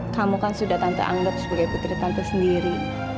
kamu kan sudah tante anggap sebagai putri tante sendiri